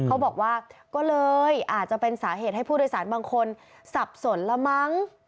เขาบอกว่าก็เลยอาจจะเป็นสาเหตุให้ผู้โดยสารบางคนสับสนละมั้ง